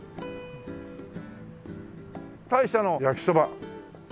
大社の焼きそば。